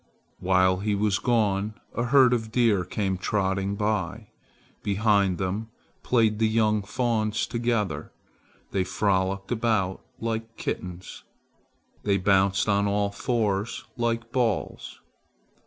While he was gone a herd of deer came trotting by. Behind them played the young fawns together. They frolicked about like kittens. They bounced on all fours like balls.